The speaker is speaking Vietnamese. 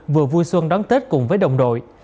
vừa vui xuân đón tết cùng với đồng đội